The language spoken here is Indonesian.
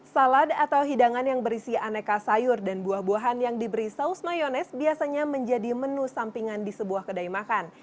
salad atau hidangan yang berisi aneka sayur dan buah buahan yang diberi saus mayonese biasanya menjadi menu sampingan di sebuah kedai makan